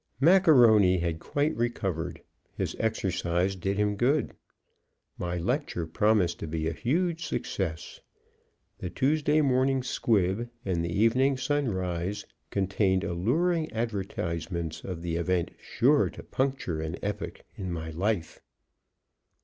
Macaroni had quite recovered; his exercise did him good. My lecture promised to be a huge success. The Tuesday Morning Squib and the Evening Sunrise contained alluring advertisements of the event sure to puncture an epoch in my life.